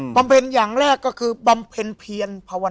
บำเพ็ญอย่างแรกก็คือบำเพ็ญเพียรภาว